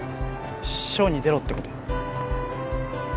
ショーに出ろってこと？